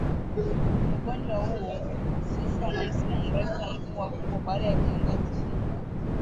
Ugonjwa huu huhusishwa na msimu mrefu wa mvua kubwa baada ya kiangazi cha muda